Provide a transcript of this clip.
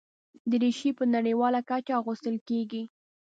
دریشي په نړیواله کچه اغوستل کېږي.